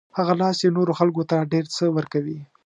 هغه لاس چې نورو خلکو ته ډېر څه ورکوي.